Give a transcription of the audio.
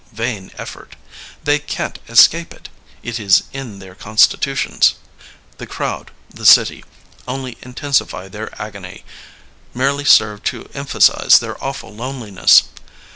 Vain effort! They can't escape it; it is in their constitutions. The crowd, the city, only intensify their agony, merely serve to emphasize their awful loneliness.